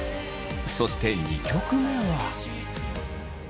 そして２曲目は。